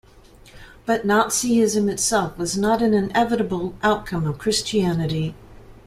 But Nazism itself was not an inevitable outcome of Christianity.